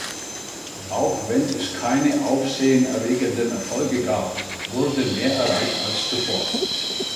Auch wenn es keine Aufsehen erregenden Erfolge gab, wurde mehr erreicht als zuvor.